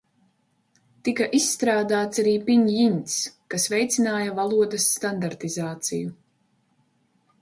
Tika izstrādāts arī piņjiņs, kas veicināja valodas standartizāciju.